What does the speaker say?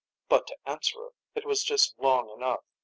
But to Answerer, it was just long enough.